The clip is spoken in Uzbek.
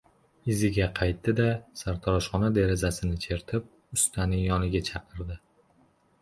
Iziga qaytdi-da, sartaroshxona derazasini chertib, ustani yoniga chaqirdi.